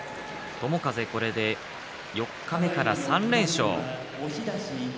友風、これで四日目から３連勝。